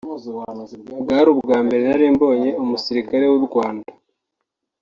bwari ubwa mbere nari mbonye umusirikare w’u Rwanda